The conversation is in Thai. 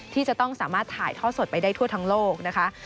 ที่จะต้องสามารถถ่ายท่อสดไปได้ทั่วทั้งโลกนะคะ